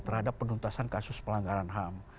terhadap penuntasan kasus pelanggaran ham